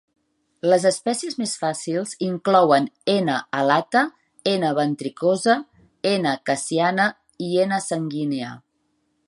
Les espècies més fàcils inclouen "N. alata", "N. ventricosa", "N. khasiana" i "N. sanguinea".